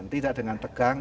tidak dengan tegang